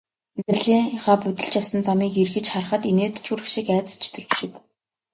Амьдралынхаа будилж явсан замыг эргэж харахад инээд ч хүрэх шиг, айдас ч төрөх шиг.